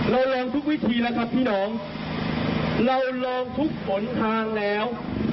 เราลองทุกวิธีแล้วครับพี่น้องเราลองทุกผลทางแล้ว